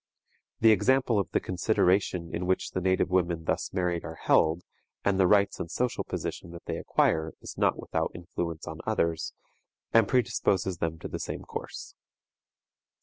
The example of the consideration in which the native women thus married are held, and the rights and social position that they acquire, is not without influence on others, and predisposes them to the same course.